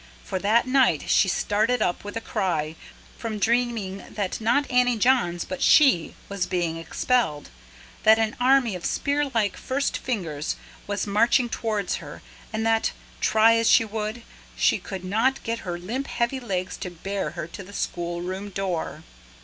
For that night she started up, with a cry, from dreaming that not Annie Johns but she was being expelled; that an army of spear like first fingers was marching towards her, and that, try as she would, she could not get her limp, heavy legs to bear her to the schoolroom door.